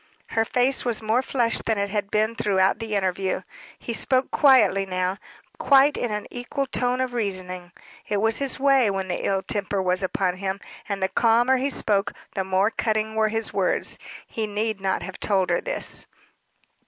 Her face was more flushed than it had been throughout the interview. He spoke quietly now, quite in an equal tone of reasoning; it was his way when the ill temper was upon him: and the calmer he spoke, the more cutting were his words. He need not have told her this.